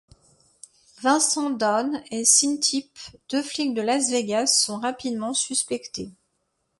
Vincent Downs et Sean Tip, deux flics de Las Vegas, sont rapidement suspectés.